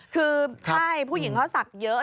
คือใช่ผู้หญิงเขาศักดิ์เยอะ